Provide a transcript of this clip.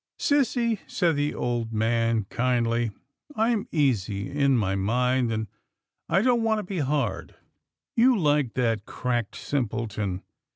" Sissy," said the old man kindly, " I'm easy in my mind, and I don't want to be hard. You liked that cracked simpleton.